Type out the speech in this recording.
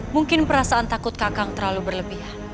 mungkin perasaan takut kakang terlalu berlebihan